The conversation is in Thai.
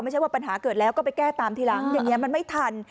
ไม่ใช่ว่าปัญหาเกิดแล้วก็ไปแก้ตามทีหลังอย่างนี้มันไม่ทัน